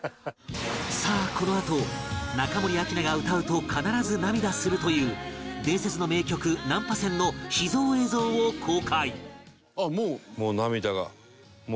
さあこのあと中森明菜が歌うと必ず涙するという伝説の名曲『難破船』の秘蔵映像を公開！